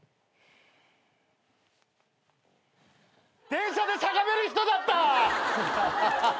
電車でしゃがめる人だった！